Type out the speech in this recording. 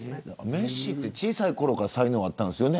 メッシは小さいころから才能があったんですよね。